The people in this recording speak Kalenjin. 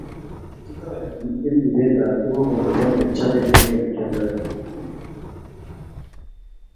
Kikotorit eng ibet ab tukuk kongete olekichobee akoi ole kioldoe